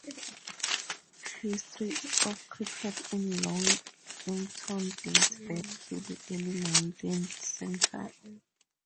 History of cricket in Long Eaton dates back to the early nineteenth century.